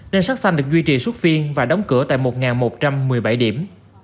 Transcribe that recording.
nên sắc xanh được duy trì suốt phiên và đóng cửa tại một một trăm một mươi bảy điểm